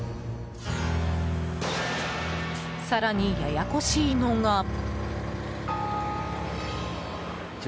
更にややこしいのが。